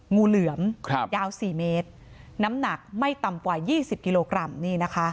งูเหลือมยาว๔เมตรน้ำหนักไม่ต่ำกว่า๒๐กิโลกรัมนี่นะคะ